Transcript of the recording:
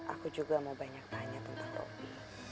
aku juga mau banyak tanya tentang kopi